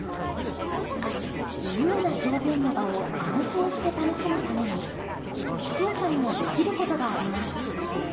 自由な表現の場を安心して楽しむために視聴者にもできることがあります。